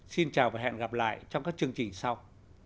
xin chào và hẹn gặp lại trong các chương trình sau